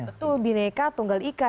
betul bineka tunggal ika